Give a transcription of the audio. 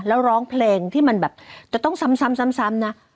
แล้วร้องเพลงที่มันแบบจะต้องซ้ำนะ